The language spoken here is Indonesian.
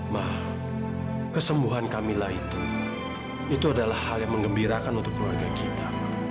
ma kesembuhan kamila itu adalah hal yang mengembirakan untuk keluarga kita